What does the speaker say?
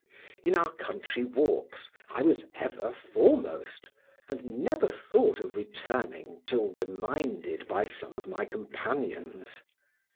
In our country walks I was ever foremost, and never thought of returning till reminded by some of my companions.